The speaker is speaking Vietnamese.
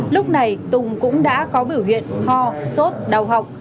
lúc này tùng cũng đã có biểu hiện ho sốt đau họng